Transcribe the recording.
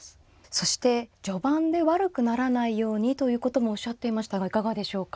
そして序盤で悪くならないようにということもおっしゃっていましたがいかがでしょうか。